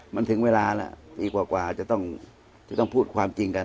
มันถึงเวลาแล้วปีกว่าจะต้องพูดความจริงกัน